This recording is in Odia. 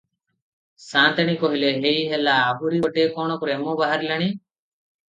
ସାଆନ୍ତାଣୀ କହିଲେ ହେଇ ହେଲା, ଆହୁରି ଗୋଟାଏ କ’ଣ ପ୍ରେମ ବାହାରିଲାଣି ।